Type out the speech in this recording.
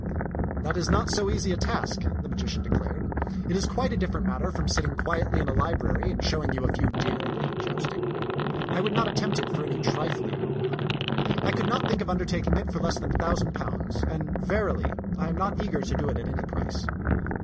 *' That is not so easy a task," the magician declared. It is quite a different matter from sitting quietly in a library and showing you a few deer and a little joust ing. I would not attempt it for any trifling reward. I could not think of undertaking it for less than a thou sand pounds ; and verily, I am not eager to do it at any price."